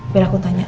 biar aku tanya